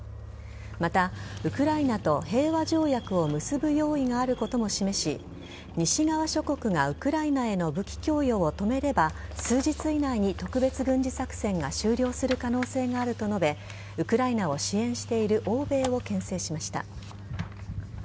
また、ウクライナと平和条約を結ぶ用意があることも示し西側諸国が、ウクライナへの武器供与を止めれば数日以内に特別軍事作戦が終了する可能性があると述べウクライナを支援している欧米をけん制しました。